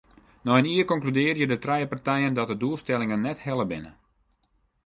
Nei in jier konkludearje de trije partijen dat de doelstellingen net helle binne.